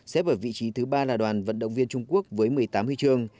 xếp ở vị trí thứ ba là đoàn vận động viên trung quốc với một mươi tám huy chương